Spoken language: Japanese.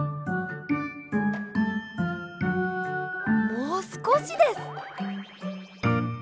もうすこしです。